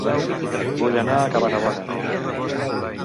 Vull anar a Cabanabona